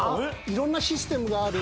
いろんなシステムがある。